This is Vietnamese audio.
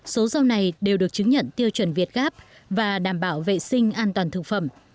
số rau này đều được chứng nhận tiêu chuẩn việt gáp và đảm bảo vệ sinh an toàn thực phẩm